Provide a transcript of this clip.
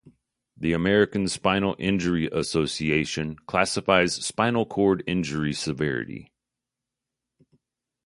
The American Spinal Injury Association classifies spinal cord injury severity.